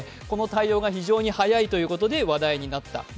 この対応が非常に早いということで話題になった。